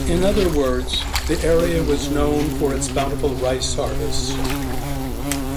In other words, the area was known for its bountiful rice harvests.